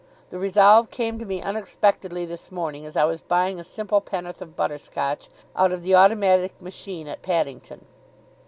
The resolve came to me unexpectedly this morning, as I was buying a simple penn'orth of butterscotch out of the automatic machine at Paddington.